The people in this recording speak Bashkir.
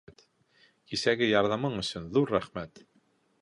Кисәге ярҙамың өсөн ҙур рәхмәт.